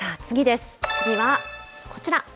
次はこちら。